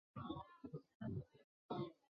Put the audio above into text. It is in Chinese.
希拉莱格利斯。